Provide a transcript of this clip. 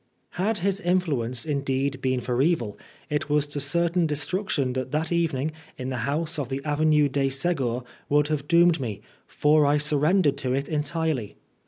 62 VI HAD his influence indeed been for evil, it was to certain destruction that that meeting in the house of the Avenue de Se"gur would have doomed me, for I surrendered to it entirely.